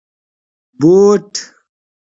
👞 بوټ